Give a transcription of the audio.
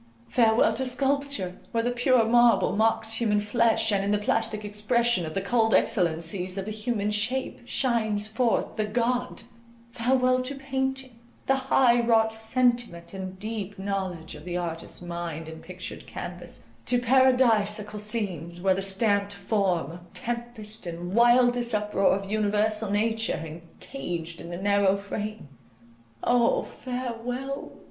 —farewell to sculpture, where the pure marble mocks human flesh, and in the plastic expression of the culled excellencies of the human shape, shines forth the god!—farewell to painting, the high wrought sentiment and deep knowledge of the artists's mind in pictured canvas—to paradisaical scenes, where trees are ever vernal, and the ambrosial air rests in perpetual glow:—to the stamped form of tempest, and wildest uproar of universal nature encaged in the narrow frame, O farewell!